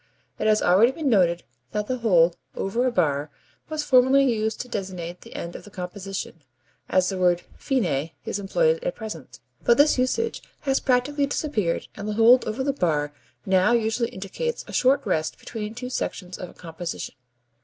It has already been noted that the hold over a bar was formerly used to designate the end of the composition, as the word fine is employed at present, but this usage has practically disappeared and the hold over the bar now usually indicates a short rest between two sections of a composition.